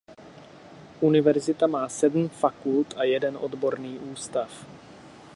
Univerzita má sedm fakult a jeden odborný ústav.